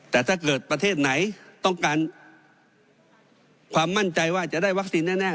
แต่ถ้าเกิดประเทศไหนต้องการความมั่นใจว่าจะได้วัคซีนแน่